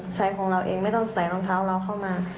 ของเราเองไม่ต้องใส่รองเท้าเราเข้ามา